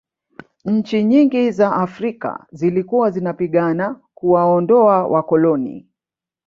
nchi nyingi za afrika zilikuwa zinapigana kuwaondoa wakolono